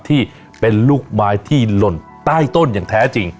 ที่เป็นลูกไม้ที่หล่นใต้ต้นอย่างแท้จริง